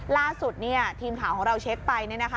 ล่าสุดทีมข่าวของเราเช็คไป